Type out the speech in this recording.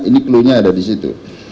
ini klunya ada disitu